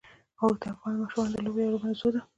اوښ د افغان ماشومانو د لوبو یوه موضوع ده.